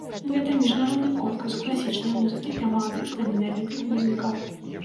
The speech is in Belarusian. Гэта міжнародны конкурс класічнай музыкі для маладых таленавітых музыкаў.